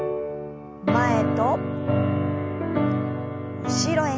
前と後ろへ。